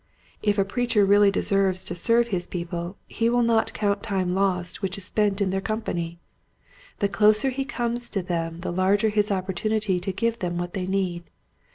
If a preacher really deserves to serve his people he will not count time lost which is spent in their company. The closer he comes to them the larger his opportunity to give them what they need.